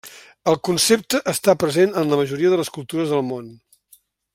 El concepte està present en la majoria de les cultures del món.